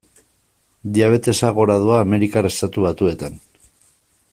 Diabetesa gora doa Amerikar Estatu Batuetan.